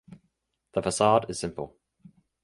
The facade is simple.